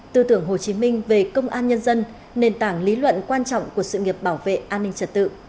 tư tưởng hồ chí minh về công an nhân dân nền tảng lý luận quan trọng của sự nghiệp bảo vệ an ninh trật tự